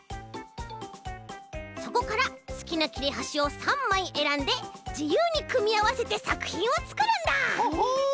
そこからすきなきれはしを３まいえらんでじゆうにくみあわせてさくひんをつくるんだ！